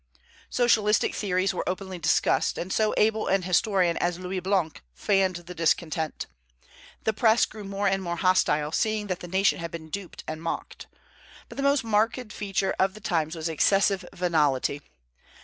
Socialistic theories were openly discussed, and so able an historian as Louis Blanc fanned the discontent. The Press grew more and more hostile, seeing that the nation had been duped and mocked. But the most marked feature of the times was excessive venality.